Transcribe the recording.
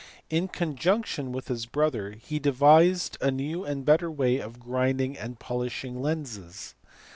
In conjunction with his brother he devised a new and better way of grinding and polishing lenses.